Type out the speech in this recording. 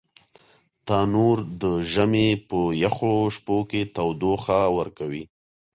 تنور د ژمي په یخو شپو کې تودوخه ورکوي